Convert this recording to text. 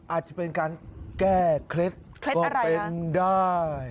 อาจจะเป็นการแก้เคล็ดก็เป็นได้